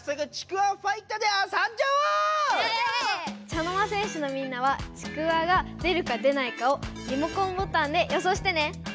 茶の間戦士のみんなはちくわが出るか出ないかをリモコンボタンで予想してね！